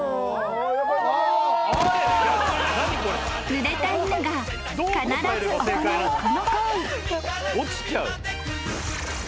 ［ぬれた犬が必ず行うこの行為］